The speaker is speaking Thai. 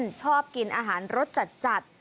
คนที่ชอบกินอาหารรสจัด